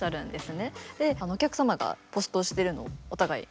でお客様がポストしてるのをお互い見て。